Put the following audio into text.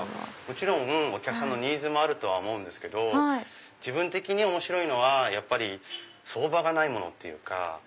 もちろんお客さんのニーズもあるとは思うんですけど自分的に面白いのは相場がないものっていうか。